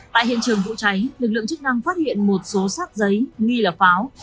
tại hiện trường vụ cháy lực lượng chức năng phát hiện một số sát giấy nghi là pháo